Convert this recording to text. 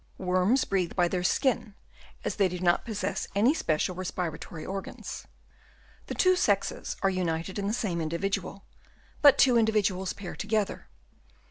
Worms breathe by their skin, as they do not possess any special respiratory organs. The two sexes are united in the same individual, but two individuals pair together.